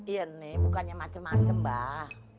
iya nih bukannya macem macem mbah